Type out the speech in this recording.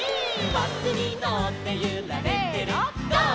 「バスにのってゆられてるゴー！